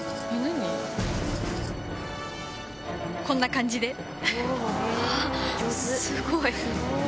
こんな感じで。